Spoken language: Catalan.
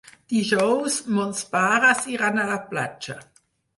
Dijous mons pares iran a la platja.